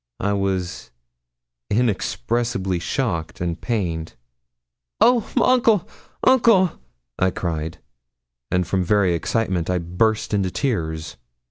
I was inexpressibly shocked and pained. 'Oh, uncle! uncle!' I cried, and from very excitement I burst into tears.